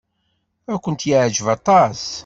Ad kent-yeɛjeb aṭas.